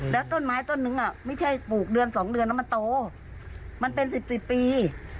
แล้วต้นไม้ต้นนึงไม่ใช่ปลูกเดือน๒เดือนแล้วมันโตมันเป็น๑๔ปี